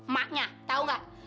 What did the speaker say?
maknya tau nggak